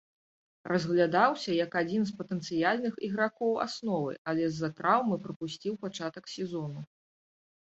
Разглядаўся як адзін з патэнцыяльных ігракоў асновы, але з-за траўмы прапусціў пачатак сезону.